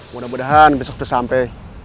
mudah mudahan besok udah sampe